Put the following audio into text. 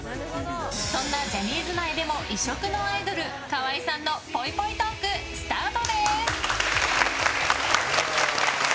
そんなジャニーズ内でも異色のアイドル河合さんのぽいぽいトークスタートです！